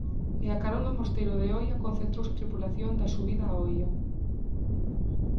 E a carón do Mosteiro de Oia concentrouse a tripulación da Subida a Oia.